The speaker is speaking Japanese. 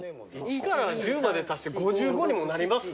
１から１０まで足して５５にもなります？